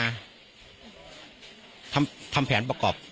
กลุ่มวัยรุ่นกลัวว่าจะไม่ได้รับความเป็นธรรมทางด้านคดีจะคืบหน้า